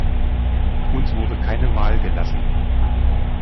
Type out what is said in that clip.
Uns wurde keine Wahl gelassen.